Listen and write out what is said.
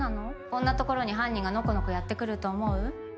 こんなところに犯人がのこのこやってくると思う？